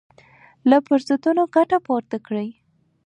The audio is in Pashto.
له فرصتونو ګټه پورته کړئ.